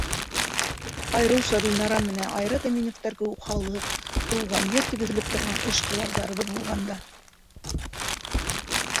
Айырыуса Гөлнара менән Айрат Әминевтәр кеүек халыҡ, тыуған ер тип өҙөлөп торған эшҡыуарҙарыбыҙ булғанда.